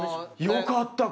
よかった！